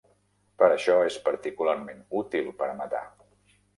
Per això, és particularment útil per a matar.